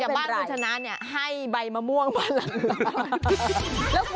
บ้านคุณฉะนั้นให้ใบมะม่วงมาแล้ว